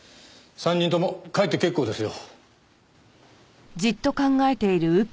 ３人とも帰って結構ですよ。